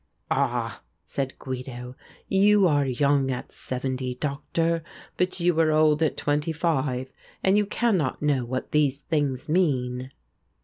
"Ah!" said Guido, "you are young at seventy, Doctor, but you were old at twenty five, and you cannot know what these things mean."